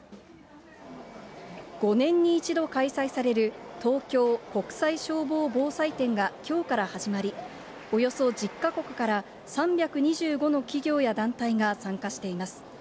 ５年に１度開催される東京国際消防防災展がきょうから始まり、およそ１０か国から３２５の企業や団体が参加しています。